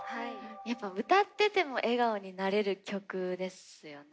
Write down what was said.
やっぱ歌ってても笑顔になれる曲ですよね